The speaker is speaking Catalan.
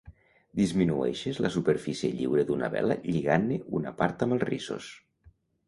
Disminueixis la superfície lliure d'una vela lligant-ne una part amb els rissos.